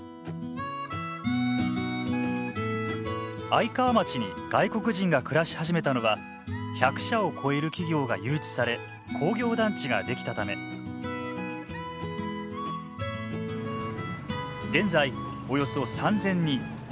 愛川町に外国人が暮らし始めたのは１００社を超える企業が誘致され工業団地が出来たため現在およそ３，０００人。